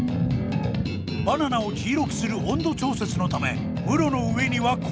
バナナを黄色くする温度調節のため室の上には氷。